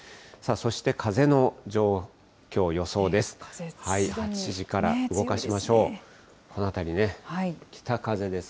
そして風の状況、予想です。